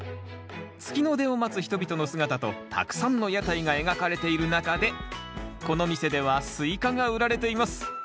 月の出を待つ人々の姿とたくさんの屋台が描かれている中でこの店ではスイカが売られています。